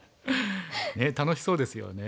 ねえ楽しそうですよね